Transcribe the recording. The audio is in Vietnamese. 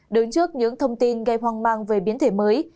đứng trước những thông tin gây hoang mang về biến thể mới